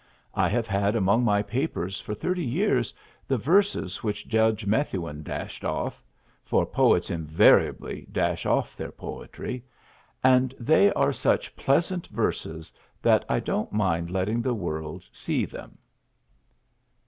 I have had among my papers for thirty years the verses which Judge Methuen dashed off (for poets invariably dash off their poetry), and they are such pleasant verses that I don't mind letting the world see them.